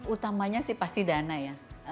utamanya sih pasti dana ya